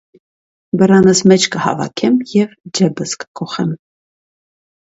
- Բռանս մեջ կհավաքեմ և ջեբս կկոխեմ: